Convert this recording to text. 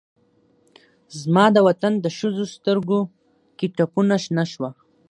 زما دوطن د ښځوسترګوکې ټپونه شنه شوه